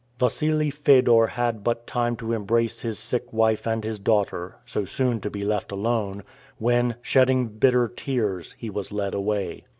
Wassili Fedor had but time to embrace his sick wife and his daughter, so soon to be left alone, when, shedding bitter tears, he was led away.